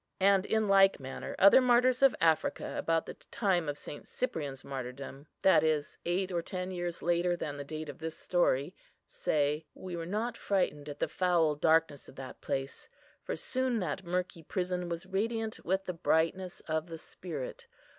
And, in like manner, other martyrs of Africa, about the time of St. Cyprian's martyrdom, that is, eight or ten years later than the date of this story, say, "We were not frightened at the foul darkness of that place; for soon that murky prison was radiant with the brightness of the Spirit.